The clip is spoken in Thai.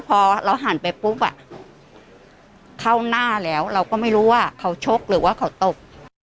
พอเราหันไปปุ๊บเข้าหน้าแล้วเราก็ไม่รู้ว่าเขาชกหรือว่าเขาตบ